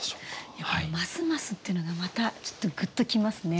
この「ますます」っていうのがまたちょっとグッときますね。